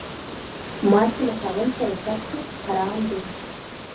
مال چې له خاونده چپ سي حرام دى.